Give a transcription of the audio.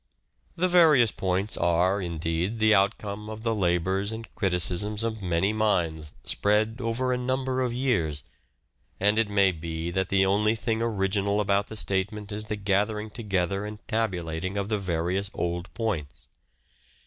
The various points are, indeed, the outcome of the labours and criticisms of many minds spread over a number of years, and it may be that the only thing original about the statement is the gathering together and tabulating of the various old points.